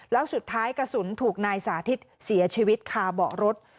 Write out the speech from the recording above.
แล้วสุดท้ายกระสุนถูกนายสาธิตเสียชีวิตคาเบาะรถ